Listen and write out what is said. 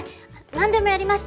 何でもやります！